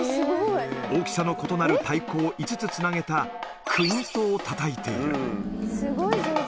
大きさの異なる太鼓を５つつなげた、クイントをたたいている。